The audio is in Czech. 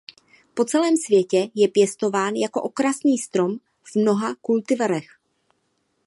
Po celém světě je pěstován jako okrasný strom v mnoha kultivarech.